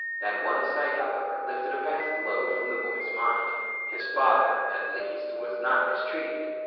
That one sight, however, lifted a vast load from the boy's mind. His father, at least, was not mistreated.